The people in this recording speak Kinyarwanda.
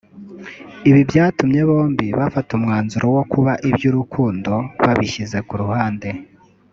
ibi byatumye bombi bafata umwanzuro wo kuba iby’urukundo babishyize ku ruhande